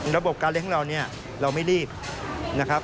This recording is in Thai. ระบบการเลี้ยของเราเนี่ยเราไม่รีบนะครับ